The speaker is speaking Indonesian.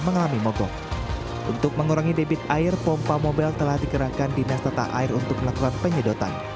jantung untuk mengurangi debit air pompa mobil telah dikerahkan di meseta air untuk menekan penyedotan